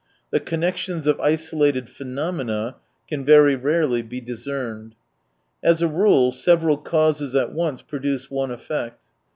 The connections of isolated phenomena can very rarely be discerned. As a rule, several causes at once produce one effect.